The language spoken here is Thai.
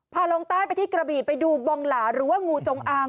ลงใต้ไปที่กระบี่ไปดูบองหลาหรือว่างูจงอาง